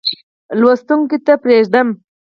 لوستونکو ته پرېږدم.